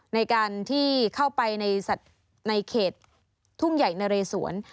ในการที่เข้าไปในเขตทุ่งใหญ่นะเรสวน